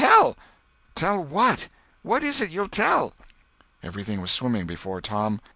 Tell what? What is it you'll tell?" Everything was swimming before Tom.